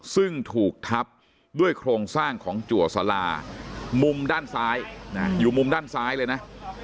ซึ่งถูกทับด้วยโครงสร้างของจัวสารามุมด้านซ้ายอยู่มุมด้านซ้ายเลยนะ